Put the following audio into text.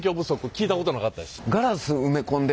聞いたことなかったです。